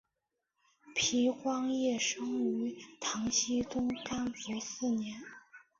皮光业生于唐僖宗干符四年。